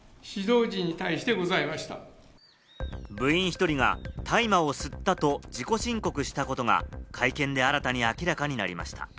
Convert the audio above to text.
部員１人が大麻を吸ったと自己申告したことが会見で新たにわかりました。